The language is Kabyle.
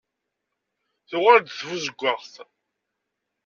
Tuɣal-d tbuzeggaɣt.